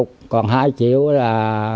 cái bếp này là